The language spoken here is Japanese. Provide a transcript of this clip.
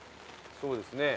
そうですね。